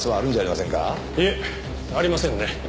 いえありませんね。